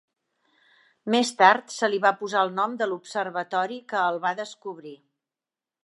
Més tard se li va posar el nom de l'observatori que el va descobrir.